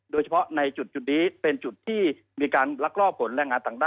โดยเฉพาะในจุดนี้เป็นจุดที่มีการลักลอบผลแรงงานต่างด้า